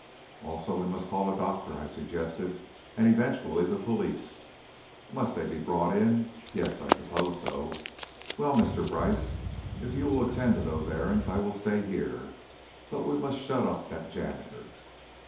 "Also, we must call a doctor," I suggested, "and, eventually, the police." "Must they be brought in? Yes, I suppose so. Well, Mr. Brice, if you will attend to those errands, I will stay here. But we must shut up that janitor!"